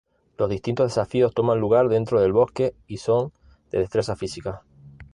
Los distintos desafíos toman lugar dentro del bosque y son de destreza física.